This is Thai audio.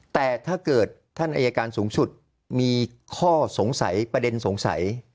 แต่ถ้าเกิดท่านอายการสูงสุดมีข้อสงสัยประเด็นสงสัย